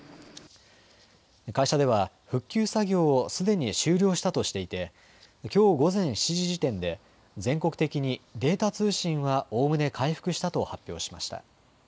会社では復旧作業をすでに終了したとしていてきょう午前７時時点で全国的にデータ通信はおおむね回復したと発表しました。